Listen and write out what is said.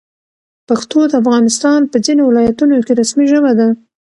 پښتو د افغانستان په ځینو ولایتونو کې رسمي ژبه ده.